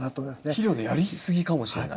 肥料のやりすぎかもしれない？